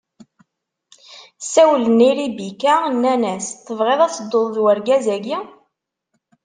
Sawlen i Ribika, nnan-as: Tebɣiḍ ad tedduḍ d urgaz-agi?